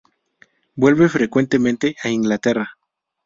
Vuelve frecuentemente a Inglaterra.